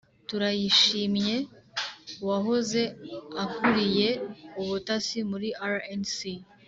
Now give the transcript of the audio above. turayishimye wahoze akuriye ubutasi muri rnc